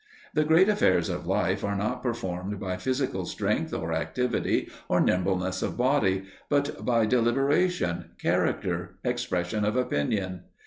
The great affairs of life are not performed by physical strength, or activity, or nimbleness of body, but by deliberation, character, expression of opinion.